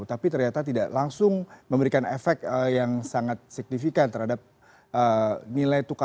tapi ternyata tidak langsung memberikan efek yang sangat signifikan terhadap nilai tukar rupiah